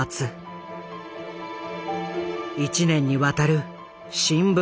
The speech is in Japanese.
１年にわたる新聞